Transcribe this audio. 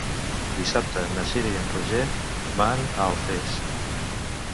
Dissabte na Cira i en Roger van a Alfés.